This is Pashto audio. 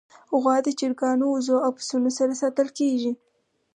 غوا د چرګانو، وزو، او پسونو سره ساتل کېږي.